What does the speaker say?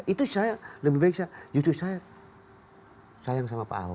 itu saya lebih baik saya justru saya sayang sama pak ahok